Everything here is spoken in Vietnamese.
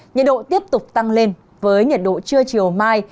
nhiệt độ tiếp tục tăng lên với nhiệt độ trưa chiều mai